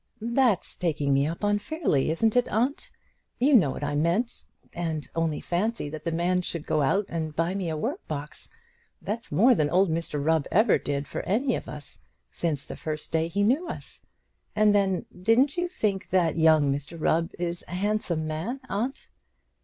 "That's taking me up unfairly; isn't it, aunt? You know what I meant; and only fancy that the man should go out and buy me a work box. That's more than old Mr Rubb ever did for any of us, since the first day he knew us. And, then, didn't you think that young Mr Rubb is a handsome man, aunt?"